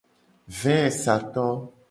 Vesato.